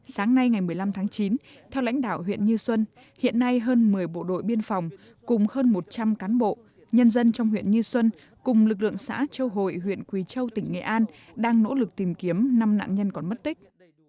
sáng nay ngày một mươi năm tháng chín theo lãnh đạo huyện như xuân hiện nay hơn một mươi bộ đội biên phòng cùng hơn một trăm linh cán bộ nhân dân trong huyện như xuân cùng lực lượng xã châu hội huyện quỳ châu tỉnh nghệ an đang nỗ lực tìm kiếm năm nạn nhân còn mất tích